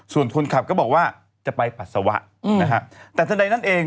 ส่วนคนขับก็บอกว่าจะไปปัสสาวะนะฮะแต่ทันใดนั้นเอง